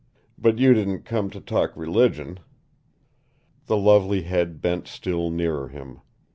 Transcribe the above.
But you didn't come to talk religion?" The lovely head bent still nearer him.